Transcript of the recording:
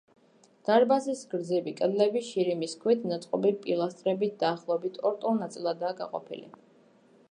დარბაზის გრძივი კედლები შირიმის ქვით ნაწყობი პილასტრებით დაახლოებით ორ ტოლ ნაწილადაა გაყოფილი.